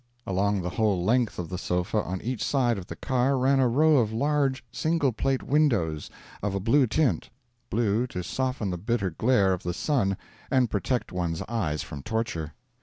Along the whole length of the sofa on each side of the car ran a row of large single plate windows, of a blue tint blue to soften the bitter glare of the sun and protect one's eyes from torture.